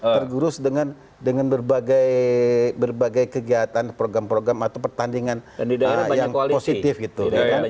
tergurus dengan berbagai kegiatan program program atau pertandingan yang positif gitu